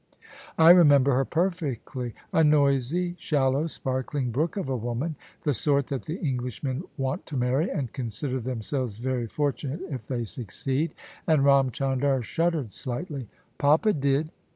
"I remember her perfectly: a noisy, shallow, sparkling brook of a woman — the sort that the Englishmen want to marry, and consider themselves very fortunate if they suc ceed." And Ram Chandar shuddered slightly. " Papa did."